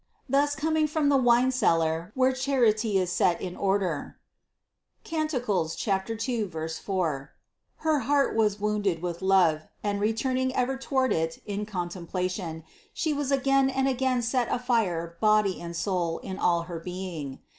Thus coming from the wine cellar, where charity is set in or der (Cant. 2, 4) her heart was wounded with love, and returning ever toward it in contemplation, She was again and again set afire body and soul in all her being.